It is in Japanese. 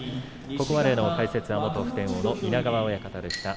ここまでの解説は元普天王の稲川親方でした。